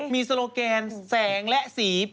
มีโซโลแกนแสงและสี